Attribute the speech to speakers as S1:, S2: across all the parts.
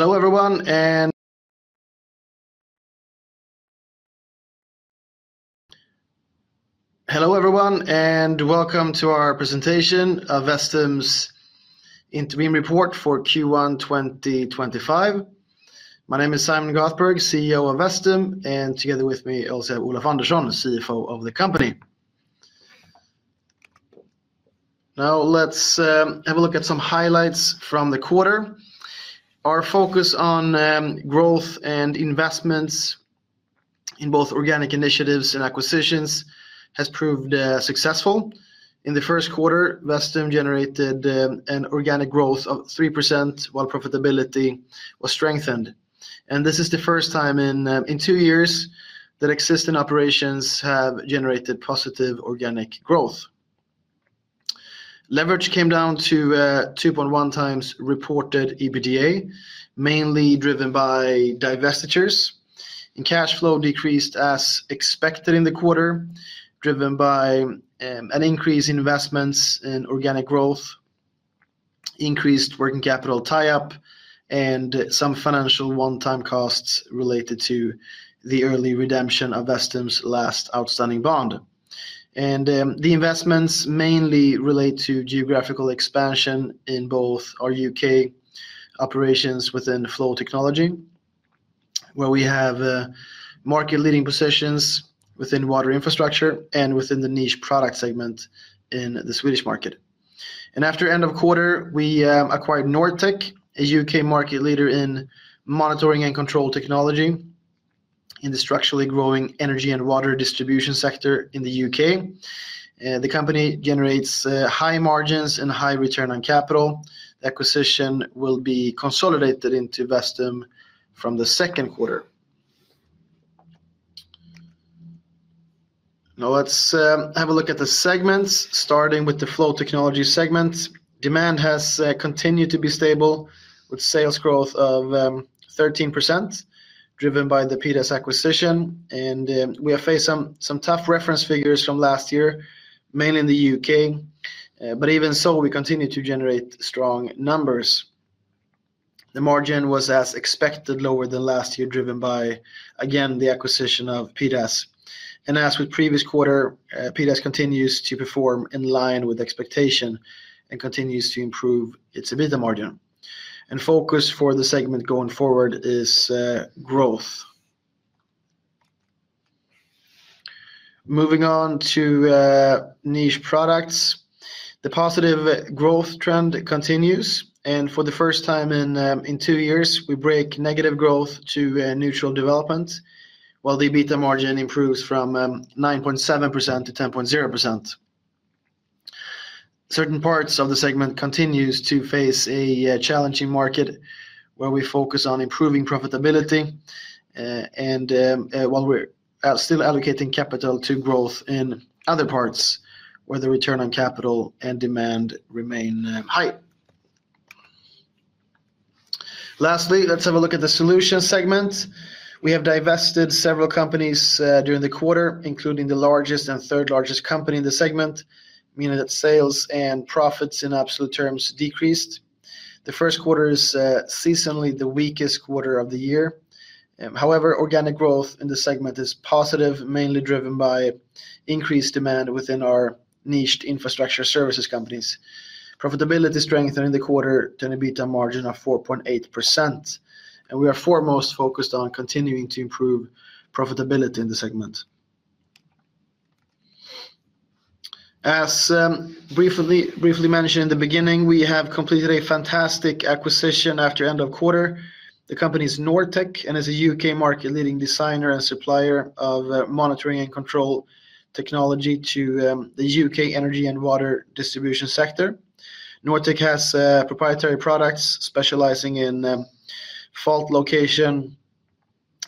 S1: Hello everyone, and welcome to our presentation of Vestum's interim report for Q1 2025. My name is Simon Göthberg, CEO of Vestum, and together with me also Olof Andersson, CFO of the company. Now let's have a look at some highlights from the quarter. Our focus on growth and investments in both organic initiatives and acquisitions has proved successful. In the first quarter, Vestum generated an organic growth of 3%, while profitability was strengthened. This is the first time in two years that existing operations have generated positive organic growth. Leverage came down to 2.1 times reported EBITDA, mainly driven by divestitures. Cash flow decreased as expected in the quarter, driven by an increase in investments in organic growth, increased working capital tie-up, and some financial one-time costs related to the early redemption of Vestum's last outstanding bond. The investments mainly relate to geographical expansion in both our U.K. operations within Flow Technology, where we have market-leading positions within water infrastructure, and within the niche product segment in the Swedish market. After end of quarter, we acquired Nortech, a U.K. market leader in monitoring and control technology in the structurally growing energy and water distribution sector in the U.K. The company generates high margins and high return on capital. The acquisition will be consolidated into Vestum from the second quarter. Now let's have a look at the segments, starting with the Flow Technology segment. Demand has continued to be stable, with sales growth of 13%, driven by the PDS acquisition. We have faced some tough reference figures from last year, mainly in the U.K., but even so we continue to generate strong numbers. The margin was, as expected, lower than last year, driven by, again, the acquisition of PDS. As with previous quarter, PDS continues to perform in line with expectation and continues to improve its EBITDA margin. Focus for the segment going forward is growth. Moving on to Niche Products, the positive growth trend continues. For the first time in two years, we break negative growth to neutral development, while the EBITDA margin improves from 9.7% to 10.0%. Certain parts of the segment continue to face a challenging market where we focus on improving profitability, while we're still allocating capital to growth in other parts where the return on capital and demand remain high. Lastly, let's have a look at the Solutions segment. We have divested several companies during the quarter, including the largest and third largest company in the segment, meaning that sales and profits in absolute terms decreased. The first quarter is seasonally the weakest quarter of the year. However, organic growth in the segment is positive, mainly driven by increased demand within our niched infrastructure services companies. Profitability strengthened in the quarter to an EBITDA margin of 4.8%. We are foremost focused on continuing to improve profitability in the segment. As briefly mentioned in the beginning, we have completed a fantastic acquisition after end of quarter. The company is Nortech, and it's a U.K. market-leading designer and supplier of monitoring and control technology to the U.K. energy and water distribution sector. Nortech has proprietary products specializing in fault location,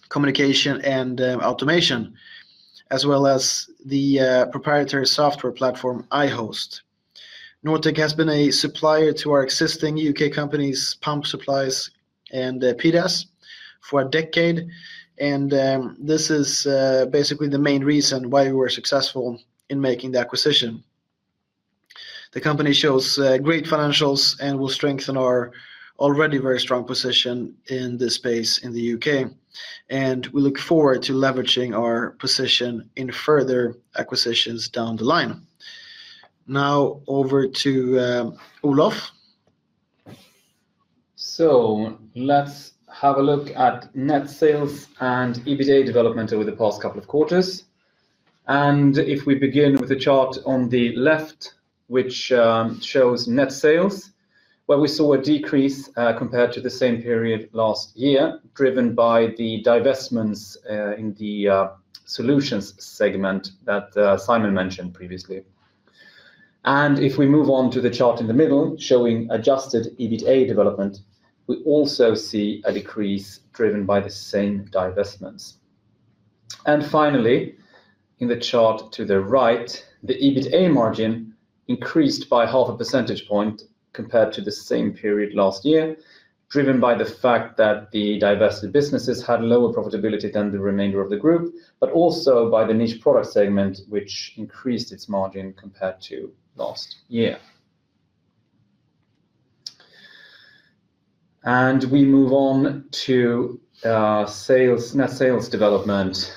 S1: communication, and automation, as well as the proprietary software platform iHost. Nortech has been a supplier to our existing U.K. companies, Pump Supplies and PDS, for a decade, and this is basically the main reason why we were successful in making the acquisition. The company shows great financials and will strengthen our already very strong position in this space in the U.K. We look forward to leveraging our position in further acquisitions down the line. Now over to Olof.
S2: Let's have a look at net sales and EBITDA development over the past couple of quarters. If we begin with the chart on the left, which shows net sales, we saw a decrease compared to the same period last year, driven by the divestments in the Solutions segment that Simon mentioned previously. If we move on to the chart in the middle, showing adjusted EBITA development, we also see a decrease driven by the same divestments. Finally, in the chart to the right, the EBITA margin increased by half a percentage point compared to the same period last year, driven by the fact that the divested businesses had lower profitability than the remainder of the group, but also by the Niche Products segment, which increased its margin compared to last year. We move on to net sales development.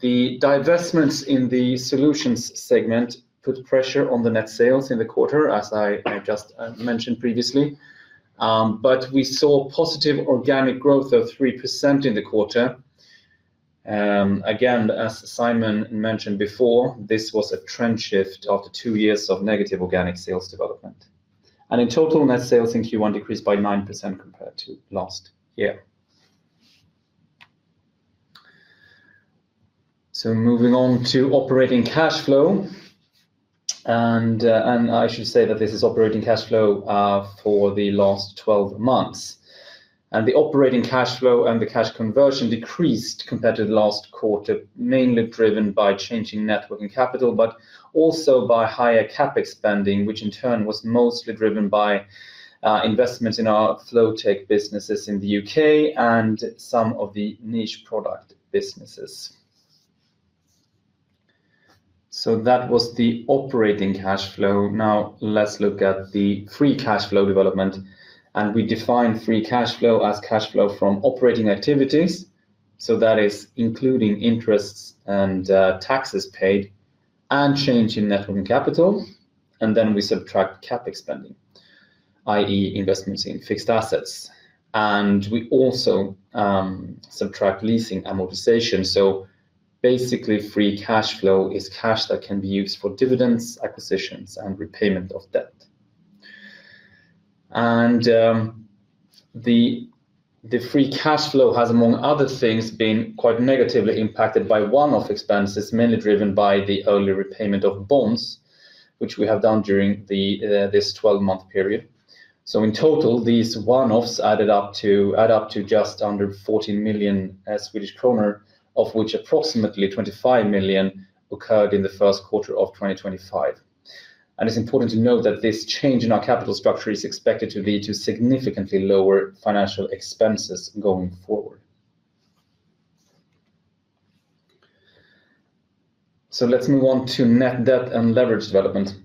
S2: The divestments in the Solutions segment put pressure on the net sales in the quarter, as I just mentioned previously. We saw positive organic growth of 3% in the quarter. Again, as Simon mentioned before, this was a trend shift after two years of negative organic sales development. In total, net sales in Q1 decreased by 9% compared to last year. Moving on to operating cash flow, I should say that this is operating cash flow for the last 12 months. The operating cash flow and the cash conversion decreased compared to the last quarter, mainly driven by changing net working capital, but also by higher capex spending, which in turn was mostly driven by investments in our Flow Technology businesses in the U.K. and some of the niche product businesses. That was the operating cash flow. Now let's look at the free cash flow development. We define free cash flow as cash flow from operating activities. That is including interests and taxes paid and change in net working capital. We subtract capex spending, i.e., investments in fixed assets. We also subtract leasing amortization. Basically, free cash flow is cash that can be used for dividends, acquisitions, and repayment of debt. The free cash flow has, among other things, been quite negatively impacted by one-off expenses, mainly driven by the early repayment of bonds, which we have done during this 12-month period. In total, these one-offs add up to just under 14 million Swedish kronor, of which approximately 25 million occurred in the first quarter of 2025. It is important to note that this change in our capital structure is expected to lead to significantly lower financial expenses going forward. Let's move on to net debt and leverage development.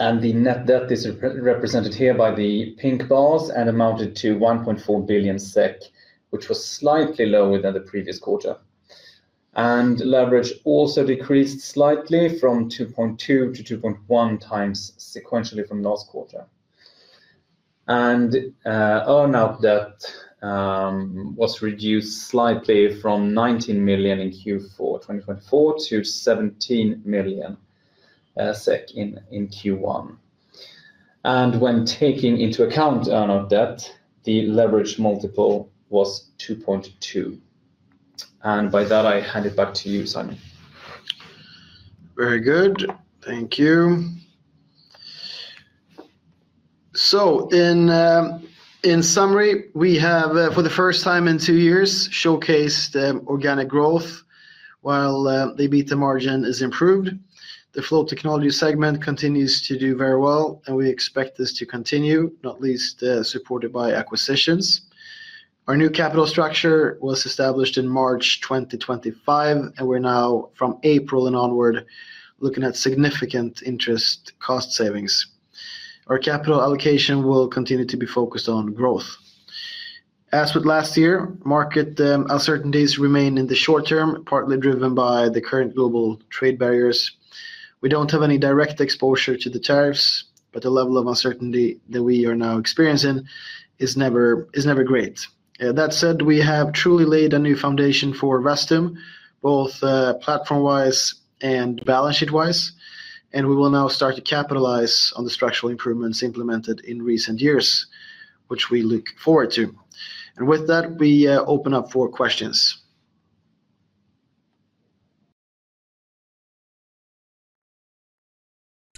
S2: The net debt is represented here by the pink bars and amounted to 1.4 billion SEK, which was slightly lower than the previous quarter. Leverage also decreased slightly from 2.2 to 2.1 times sequentially from last quarter. Earn-out debt was reduced slightly from 19 million in Q4 2024 to 17 million SEK in Q1. When taking into account earn-out debt, the leverage multiple was 2.2. By that, I hand it back to you, Simon.
S1: Very good. Thank you. In summary, we have, for the first time in two years, showcased organic growth while the EBITDA margin is improved. The Flow Technology segment continues to do very well, and we expect this to continue, not least supported by acquisitions. Our new capital structure was established in March 2025, and we're now, from April and onward, looking at significant interest cost savings. Our capital allocation will continue to be focused on growth. As with last year, market uncertainties remain in the short term, partly driven by the current global trade barriers. We don't have any direct exposure to the tariffs, but the level of uncertainty that we are now experiencing is never great. That said, we have truly laid a new foundation for Vestum, both platform-wise and balance sheet-wise. We will now start to capitalize on the structural improvements implemented in recent years, which we look forward to. With that, we open up for questions.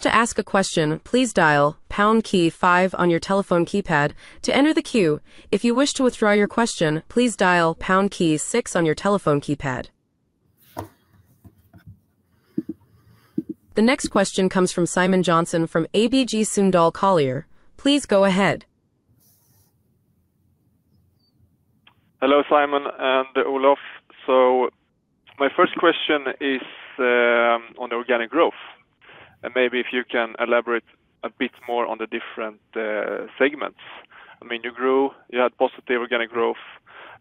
S3: To ask a question, please dial pound key five on your telephone keypad to enter the queue. If you wish to withdraw your question, please dial pound key six on your telephone keypad. The next question comes from Simon Jönsson from ABG Sundal Collier. Please go ahead.
S4: Hello Simon and Olof. My first question is on the organic growth. Maybe if you can elaborate a bit more on the different segments. I mean, you grew, you had positive organic growth,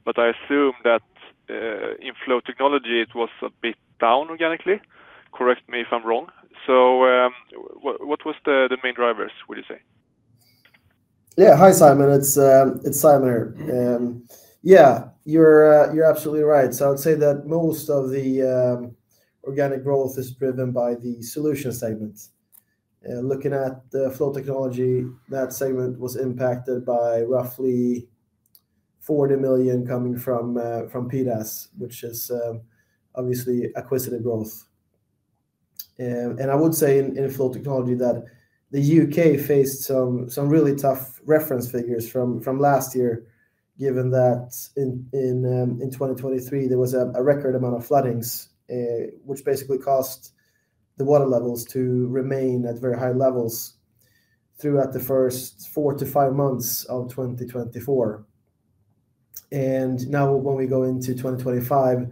S4: but I assume that in Flow Technology, it was a bit down organically. Correct me if I'm wrong. What were the main drivers, would you say?
S1: Yeah, hi Simon. It's Simon here. Yeah, you're absolutely right. I would say that most of the organic growth is driven by the Solutions segment. Looking at Flow Technology, that segment was impacted by roughly 40 million coming from PDS, which is obviously acquired growth. I would say in Flow Technology that the U.K. faced some really tough reference figures from last year, given that in 2023, there was a record amount of floodings, which basically caused the water levels to remain at very high levels throughout the first four to five months of 2024. Now when we go into 2025,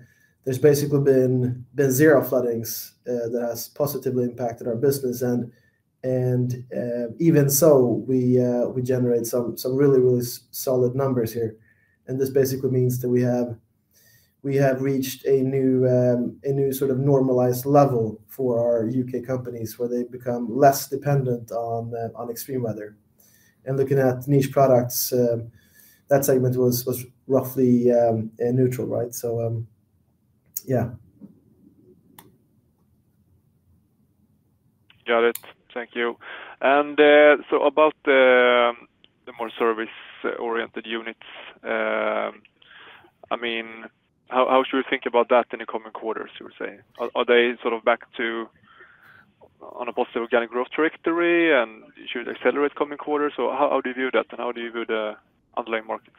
S1: there's basically been zero floodings that has positively impacted our business. Even so, we generate some really, really solid numbers here. This basically means that we have reached a new sort of normalized level for our U.K. companies where they become less dependent on extreme weather. Looking at niche products, that segment was roughly neutral, right? Yeah.
S4: Got it. Thank you. About the more service-oriented units, I mean, how should we think about that in the coming quarters, you would say? Are they sort of back on a positive organic growth trajectory and should accelerate coming quarters? How do you view that and how do you view the underlying markets?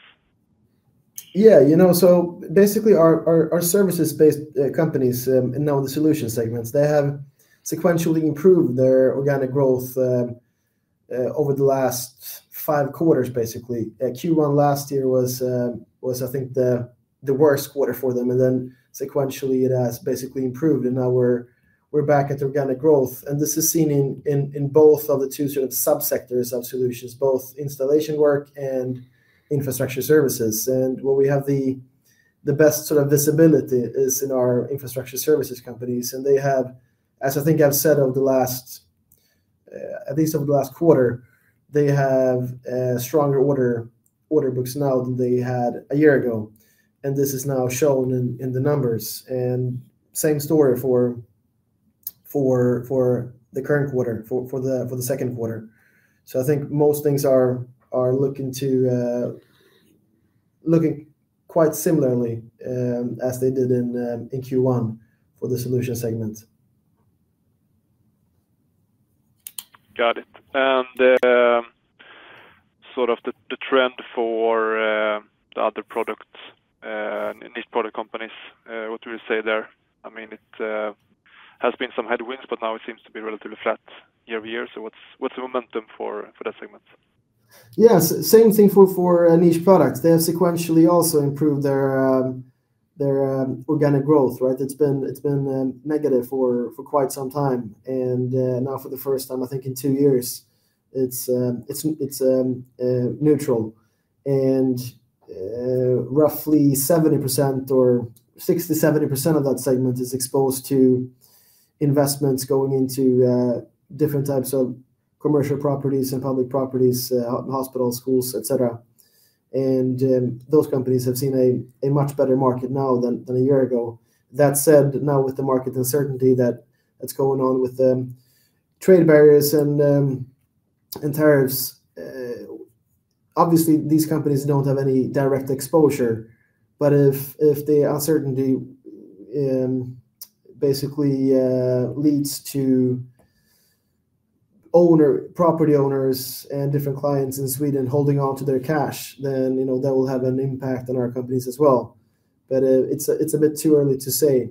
S1: Yeah, you know, so basically our services-based companies, now the Solutions segment, they have sequentially improved their organic growth over the last five quarters, basically. Q1 last year was, I think, the worst quarter for them. It has basically improved sequentially. Now we're back at organic growth. This is seen in both of the two sort of subsectors of Solutions, both installation work and infrastructure services. Where we have the best sort of visibility is in our infrastructure services companies. They have, as I think I've said at least over the last quarter, stronger order books now than they had a year ago. This is now shown in the numbers. Same story for the current quarter, for the second quarter. I think most things are looking quite similarly as they did in Q1 for the Solutions segment.
S4: Got it. And sort of the trend for the other products, niche product companies, what would you say there? I mean, it has been some headwinds, but now it seems to be relatively flat year over year. So what's the momentum for that segment?
S1: Yeah, same thing for Niche Products. They have sequentially also improved their organic growth, right? It's been negative for quite some time. Now for the first time, I think in two years, it's neutral. Roughly 60-70% of that segment is exposed to investments going into different types of commercial properties and public properties, hospitals, schools, etc. Those companies have seen a much better market now than a year ago. That said, now with the market uncertainty that's going on with trade barriers and tariffs, obviously these companies don't have any direct exposure. If the uncertainty basically leads to property owners and different clients in Sweden holding on to their cash, then that will have an impact on our companies as well. It's a bit too early to say.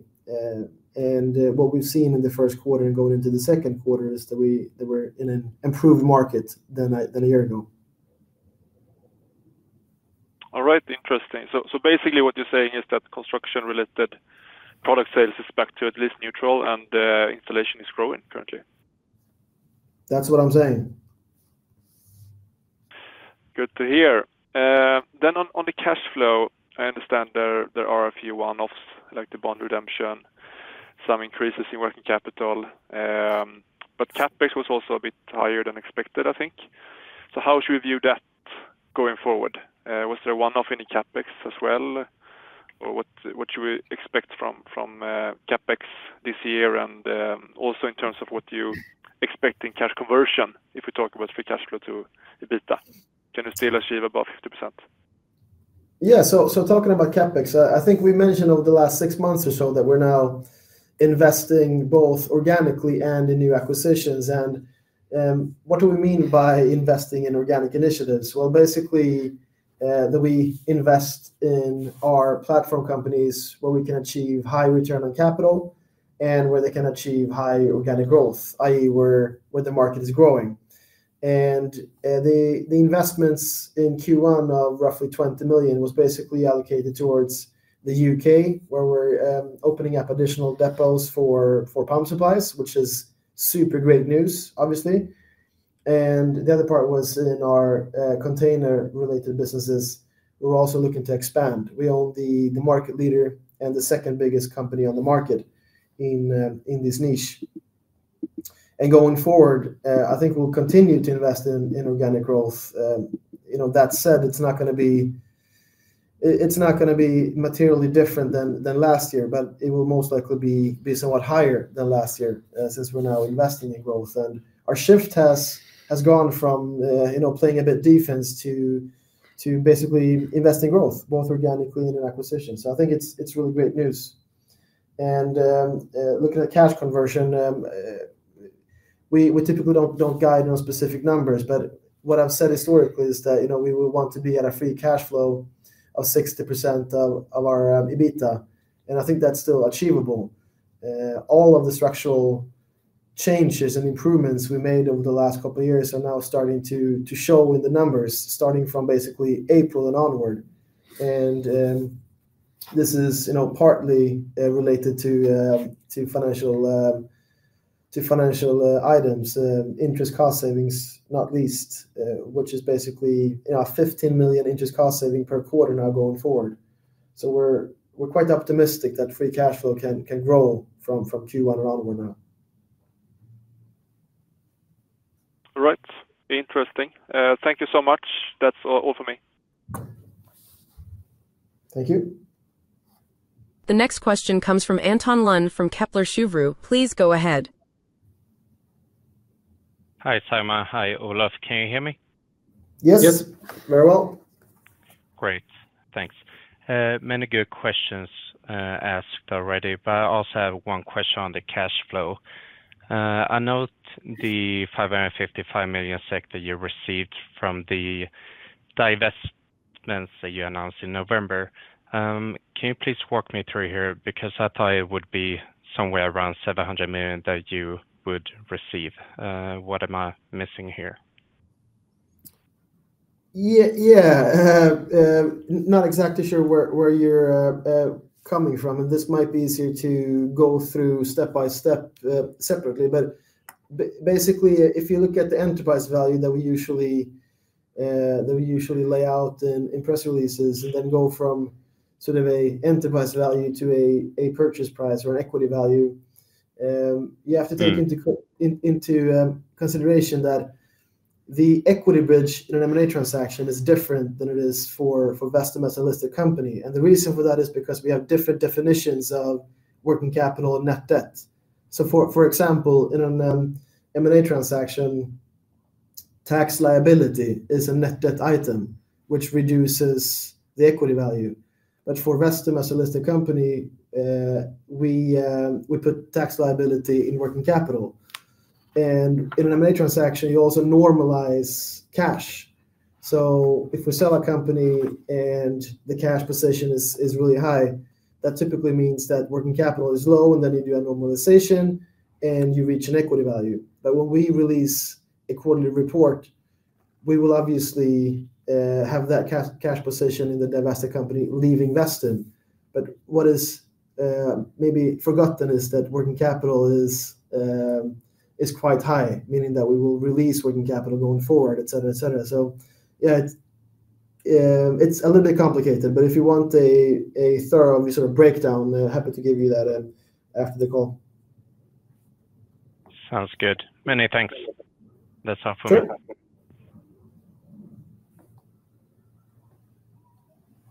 S1: What we've seen in the first quarter and going into the second quarter is that we're in an improved market than a year ago.
S4: All right, interesting. So basically what you're saying is that construction-related product sales is back to at least neutral and the installation is growing currently?
S1: That's what I'm saying.
S4: Good to hear. On the cash flow, I understand there are a few one-offs like the bond redemption, some increases in working capital. Capex was also a bit higher than expected, I think. How should we view that going forward? Was there a one-off in the capex as well? What should we expect from capex this year? Also, in terms of what you expect in cash conversion, if we talk about free cash flow to EBITDA, can you still achieve above 50%?
S1: Yeah, talking about capex, I think we mentioned over the last six months or so that we're now investing both organically and in new acquisitions. What do we mean by investing in organic initiatives? Basically that we invest in our platform companies where we can achieve high return on capital and where they can achieve high organic growth, i.e., where the market is growing. The investments in Q1 of roughly 20 million was basically allocated towards the U.K., where we're opening up additional depots for Pump Supplies, which is super great news, obviously. The other part was in our container-related businesses. We're also looking to expand. We own the market leader and the second biggest company on the market in this niche. Going forward, I think we'll continue to invest in organic growth. That said, it's not going to be materially different than last year, but it will most likely be somewhat higher than last year since we're now investing in growth. Our shift has gone from playing a bit defense to basically investing growth, both organically and in acquisitions. I think it's really great news. Looking at cash conversion, we typically don't guide on specific numbers, but what I've said historically is that we would want to be at a free cash flow of 60% of our EBITDA. I think that's still achievable. All of the structural changes and improvements we made over the last couple of years are now starting to show in the numbers, starting from basically April and onward. This is partly related to financial items, interest cost savings, not least, which is basically 15 million interest cost saving per quarter now going forward. We are quite optimistic that free cash flow can grow from Q1 and onward now.
S4: All right. Interesting. Thank you so much. That's all for me.
S1: Thank you.
S3: The next question comes from Anton Lund from Kepler Cheuvreux. Please go ahead.
S5: Hi, Simon. Hi, Olof. Can you hear me?
S1: Yes. Very well.
S5: Great. Thanks. Many good questions asked already, but I also have one question on the cash flow. I note the 555 million SEK that you received from the divestments that you announced in November. Can you please walk me through here? Because I thought it would be somewhere around 700 million that you would receive. What am I missing here?
S1: Yeah, not exactly sure where you're coming from. This might be easier to go through step by step separately. Basically, if you look at the enterprise value that we usually lay out in press releases and then go from sort of an enterprise value to a purchase price or an equity value, you have to take into consideration that the equity bridge in an M&A transaction is different than it is for Vestum as a listed company. The reason for that is because we have different definitions of working capital and net debt. For example, in an M&A transaction, tax liability is a net debt item, which reduces the equity value. For Vestum as a listed company, we put tax liability in working capital. In an M&A transaction, you also normalize cash. If we sell a company and the cash position is really high, that typically means that working capital is low, and then you do a normalization and you reach an equity value. When we release a quarterly report, we will obviously have that cash position in the divested company leaving Vestum. What is maybe forgotten is that working capital is quite high, meaning that we will release working capital going forward, etc., etc. Yeah, it's a little bit complicated, but if you want a thorough sort of breakdown, I'm happy to give you that after the call.
S5: Sounds good. Many thanks. That's all for me.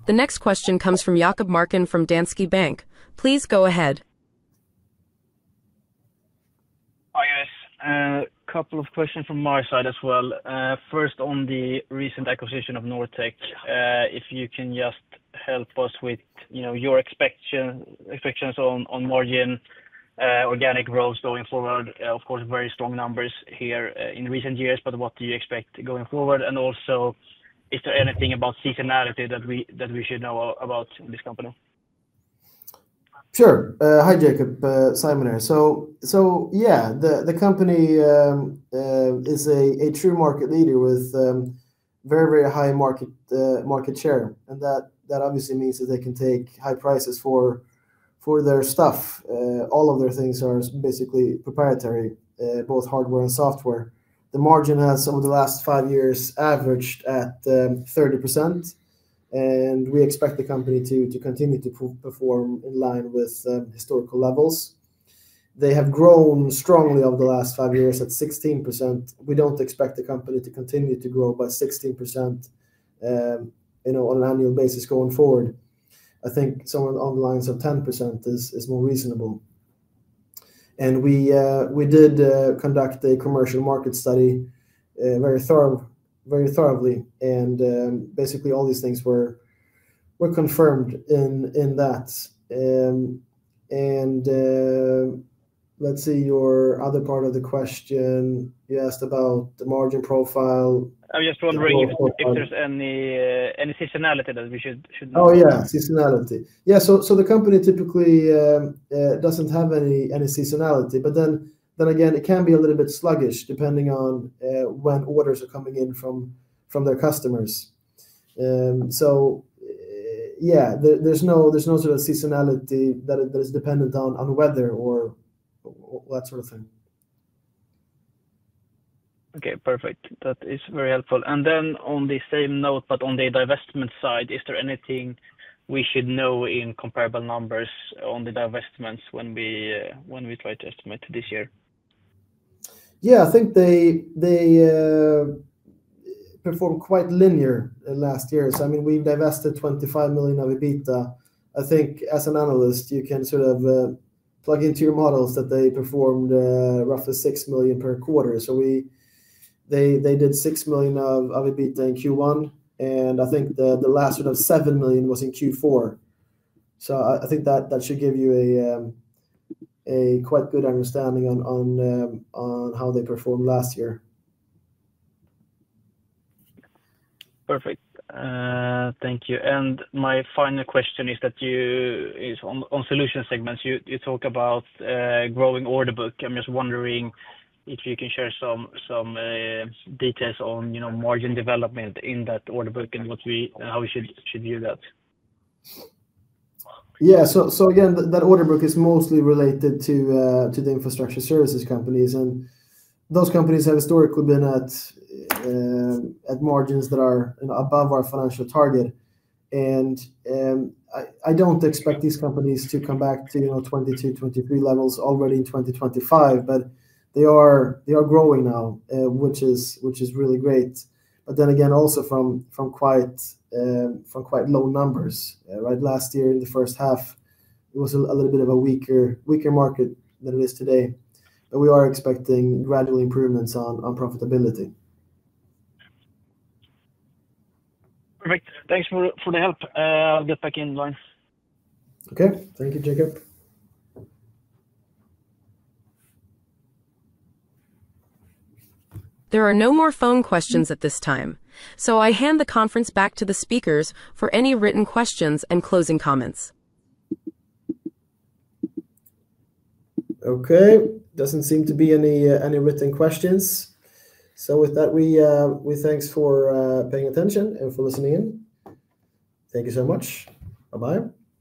S3: The next question comes from Jakob Marken from Danske Bank. Please go ahead.
S6: Hi, guys. A couple of questions from my side as well. First, on the recent acquisition of Nortech, if you can just help us with your expectations on margin, organic growth going forward. Of course, very strong numbers here in recent years, but what do you expect going forward? Also, is there anything about seasonality that we should know about this company?
S1: Sure. Hi, Jakob. Simon here. The company is a true market leader with very, very high market share. That obviously means that they can take high prices for their stuff. All of their things are basically proprietary, both hardware and software. The margin has over the last five years averaged at 30%. We expect the company to continue to perform in line with historical levels. They have grown strongly over the last five years at 16%. We do not expect the company to continue to grow by 16% on an annual basis going forward. I think somewhere along the lines of 10% is more reasonable. We did conduct a commercial market study very thoroughly. Basically, all these things were confirmed in that. Let's see your other part of the question. You asked about the margin profile.
S6: I'm just wondering if there's any seasonality that we should know.
S1: Oh, yeah, seasonality. Yeah, the company typically doesn't have any seasonality. Then again, it can be a little bit sluggish depending on when orders are coming in from their customers. Yeah, there's no sort of seasonality that is dependent on weather or that sort of thing.
S6: Okay, perfect. That is very helpful. On the same note, but on the divestment side, is there anything we should know in comparable numbers on the divestments when we try to estimate this year?
S1: Yeah, I think they performed quite linear last year. I mean, we divested 25 million of EBITDA. I think as an analyst, you can sort of plug into your models that they performed roughly 6 million per quarter. They did 6 million of EBITDA in Q1. I think the last sort of 7 million was in Q4. I think that should give you a quite good understanding on how they performed last year.
S6: Perfect. Thank you. My final question is that on Solutions segment, you talk about growing order book. I'm just wondering if you can share some details on margin development in that order book and how we should view that.
S1: Yeah, so again, that order book is mostly related to the infrastructure services companies. Those companies have historically been at margins that are above our financial target. I do not expect these companies to come back to 2022, 2023 levels already in 2025, but they are growing now, which is really great. Then again, also from quite low numbers. Right last year, in the first half, it was a little bit of a weaker market than it is today. We are expecting gradual improvements on profitability.
S6: Perfect. Thanks for the help. I'll get back in line.
S1: Okay. Thank you, Jakob.
S3: There are no more phone questions at this time. I hand the conference back to the speakers for any written questions and closing comments.
S1: Okay. Doesn't seem to be any written questions. With that, we thank you for paying attention and for listening in. Thank you so much. Bye-bye.